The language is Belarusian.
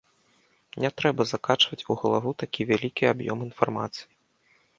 Не трэба закачваць у галаву такі вялікі аб'ём інфармацыі.